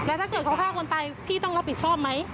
แล้วถ้าเกิดเขาฆ่าคนตายพี่ต้องรับผิดชอบไหม